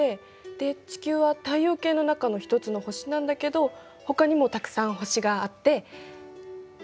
で地球は太陽系の中の一つの星なんだけどほかにもたくさん星があってで。